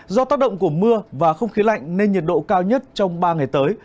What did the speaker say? do tác động của mưa và không khí lạnh nên nhiệt độ cao nhất trong ba ngày tới